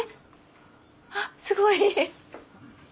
あすごい。